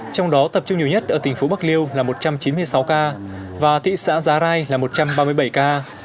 trong đó tập trung nhiều nhất ở tỉnh phú bạc liêu là một trăm chín mươi sáu ca và thị xã giá rai là một trăm ba mươi bảy ca